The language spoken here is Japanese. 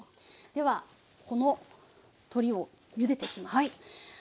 ではこの鶏をゆでていきます。